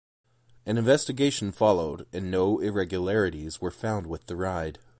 An investigation followed, and no irregularities were found with the ride.